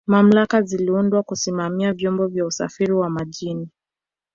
mamlaka ziliundwa Kusimamia vyombo vya usafiri wa majini